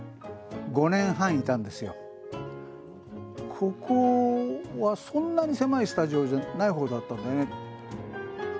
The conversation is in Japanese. ここはそんなに狭いスタジオじゃないほうだったんだよね。